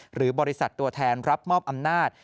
หรือบริษัทตัวแทนรับมอบอำนาจ